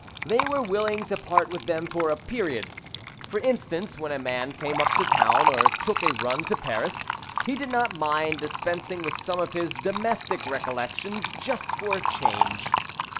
They were willing to part with them for a period. For instance, when a man came up to town or took a run to Paris, he did not mind dispensing with some of his domestic recollections, just for a change.